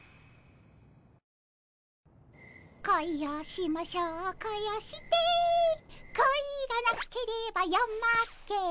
「恋をしましょう恋をして」「恋がなければ夜も明けぬ」